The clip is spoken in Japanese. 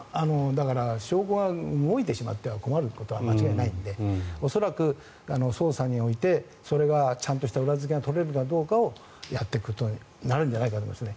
証拠が動いてしまっては困ることは間違いないので恐らく、捜査においてそれがちゃんとした裏付けが取れるかどうかをやっていくことになるんじゃないかと思います。